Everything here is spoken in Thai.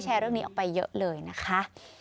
เรื่องนี้ออกไปเยอะเลยนะคะ